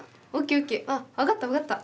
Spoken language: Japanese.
分かった分かった！